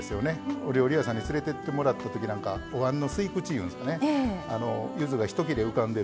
お料理屋さんに連れてってもらったときなんかおわんの吸い口いうんですかねゆずが一切れ浮かんでる